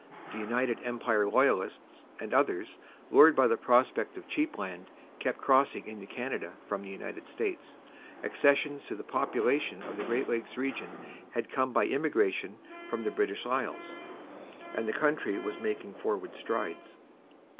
The United Empire Loyalists and others, lured by the prospect of cheap land, kept crossing into Canada from the United States; accessions to the population of the Great Lakes region had come by immigration from the British Isles, and the country was making forward strides.